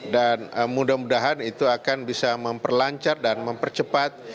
dan mudah mudahan itu akan bisa memperlancar dan mempercepat